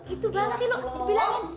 itu banget sih lu bilangin